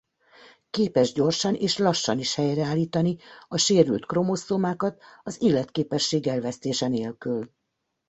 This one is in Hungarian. Képes gyorsan és lassan is helyreállítani a sérült kromoszómákat az életképesség elvesztése nélkül.